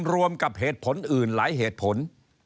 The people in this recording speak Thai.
รวมกับเหตุผลอื่นหลายเหตุผล